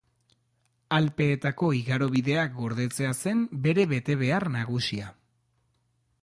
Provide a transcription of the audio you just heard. Alpeetako igarobideak gordetzea zen bere betebehar nagusia.